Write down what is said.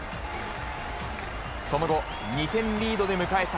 その後、２点リードで迎えた